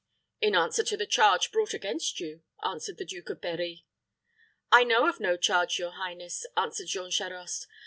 "In answer to the charge brought against you," answered the Duke of Berri. "I know of no charge, your highness," answered Jean Charost.